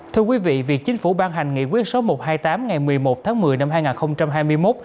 thưa quý vị việc chính phủ ban hành nghị quyết số một trăm hai mươi tám ngày một mươi một tháng một mươi năm hai nghìn hai mươi một